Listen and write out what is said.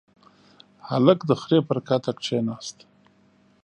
هلک د خرې پر کته کېناست.